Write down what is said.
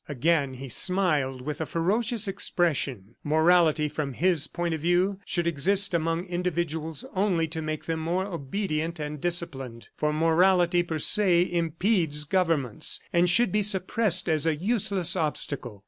Again he smiled with a ferocious expression. Morality, from his point of view, should exist among individuals only to make them more obedient and disciplined, for morality per se impedes governments and should be suppressed as a useless obstacle.